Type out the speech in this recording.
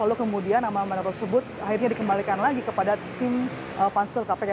lalu kemudian nama nama tersebut akhirnya dikembalikan lagi kepada tim pansel kpk